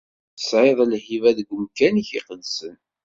Tesɛiḍ lhiba deg umkan-ik iqedsen!